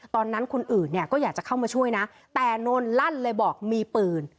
ตอนนั้นคนอื่นเนี่ยก็อยากจะเข้ามาช่วยนะแต่นนลั่นเลยบอกมีปืน